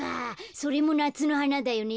それもなつのはなだよね。